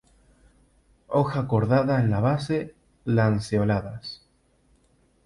Hoja cordadas en la base, lanceoladas.